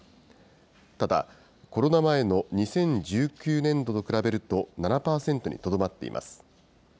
ただコロナ前の２０１９年度と比べると７％にとどまっています。